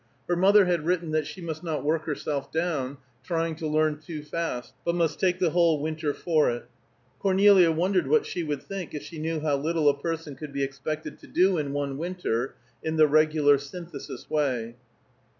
Her mother had written that she must not work herself down, trying to learn too fast, but must take the whole winter for it. Cornelia wondered what she would think if she knew how little a person could be expected to do in one winter, in the regular Synthesis way.